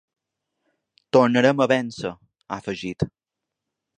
Tornarem a vèncer, ha afegit.